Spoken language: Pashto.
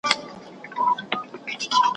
تر منزله یې د مرګ لاره وهله ,